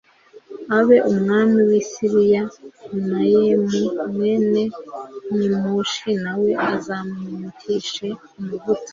abe umwami wi Siriya na Yehu mwene Nimushi na we uzamwimikishe amavuta